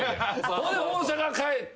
それで大阪帰って。